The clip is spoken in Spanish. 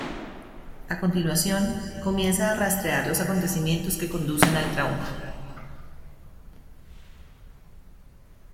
A continuación, comienza a rastrear los acontecimientos que conducen al trauma.